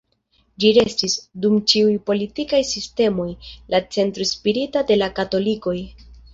Ĝi restis, dum ĉiuj politikaj sistemoj, la centro spirita de la katolikoj.